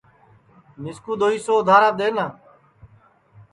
مِسکُو دؔوئی سو اُدھاراپ دؔئنا